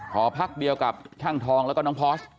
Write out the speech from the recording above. หอพักเดียวกับช่างทองแล้วก็น้องพอร์ส